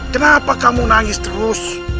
kenapa kamu nangis terus